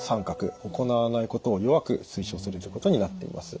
行わないことを弱く推奨するということになっています。